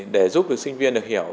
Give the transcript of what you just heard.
để giúp được sinh viên được hiểu